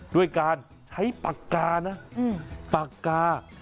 ด้วยการใช้ปากกานะปากกา